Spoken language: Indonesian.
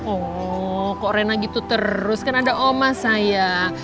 oh kok rena gitu terus kan ada oma saya